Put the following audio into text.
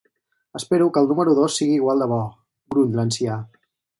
"Espero que el número dos sigui igual de bo" gruny l'ancià.